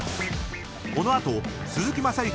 ［この後鈴木雅之